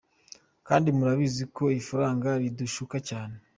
Kandi murabizi ko ifaranga ridushuka cyane.